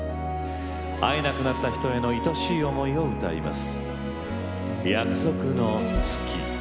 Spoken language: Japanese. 会えなくなった人へのいとしい思いを歌います。